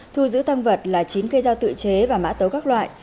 thu giữ tăng vật là chín cây dao tự chế và mã tấu các loại